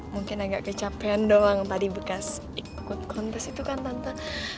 mungkin agak kecapean doang tadi bekas ikut kontes itu kan tante